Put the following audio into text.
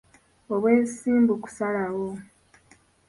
Obwesimbu kusalawo.